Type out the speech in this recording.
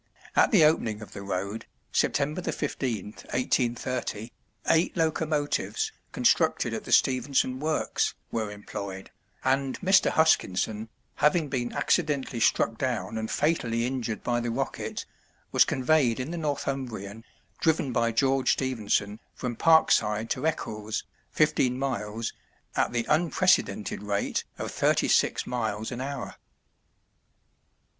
At the opening of the road, September 15th, 1830, eight locomotives, constructed at the Stephenson works, were employed, and Mr. Huskinson, having been accidentally struck down and fatally injured by the Rocket, was conveyed in the Northumbrian, driven by George Stephenson, from Parkside to Eccles, fifteen miles, at the unprecedented rate of thirty six miles an hour.